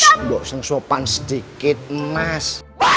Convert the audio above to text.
sshh bok sengsopan sedikit emas